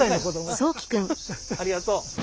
ありがとう。